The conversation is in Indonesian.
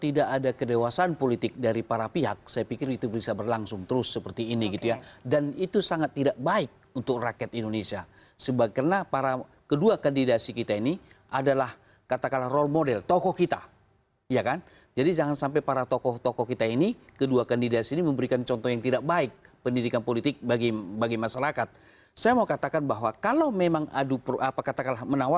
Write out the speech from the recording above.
isi kepala pak prabowo apa isi kepala pak jokowi apa